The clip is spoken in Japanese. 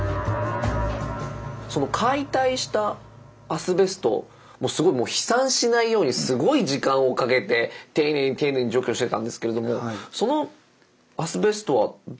その解体したアスベストもうすごいもう飛散しないようにすごい時間をかけて丁寧に丁寧に除去してたんですけれどもそのはい。